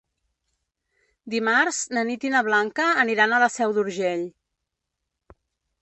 Dimarts na Nit i na Blanca aniran a la Seu d'Urgell.